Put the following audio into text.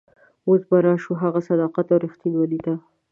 اوس به راشو هغه صداقت او رښتینولي ته.